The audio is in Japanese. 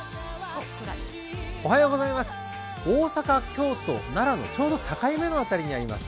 大阪、京都、奈良のちょうど境目にあります